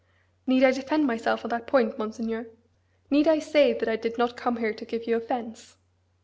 "Need I defend myself on that point, Monseigneur? Need I say that I did not come here to give you offence?"